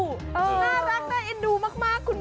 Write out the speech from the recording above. น่ารักน่าเอ็นดูมาก